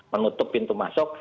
menutup pintu masuk